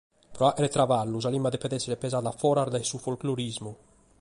Pro àere traballu sa limba depet èssere pesada foras dae su folclorismu.